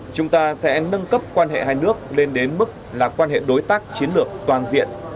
chúng ta sẽ nâng cấp quan hệ hai nước lên đến mức là quan hệ đối tác chiến lược toàn diện